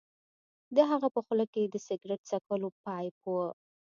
د هغه په خوله کې د سګرټ څکولو پایپ و